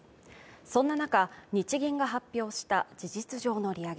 そんな中、日銀が発表した事実上の利上げ。